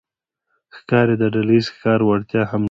ښکاري د ډلهییز ښکار وړتیا هم لري.